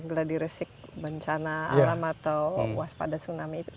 gila diresik bencana alam atau waspada tsunami